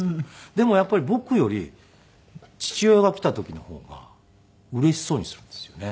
でもやっぱり僕より父親が来た時の方がうれしそうにするんですよね。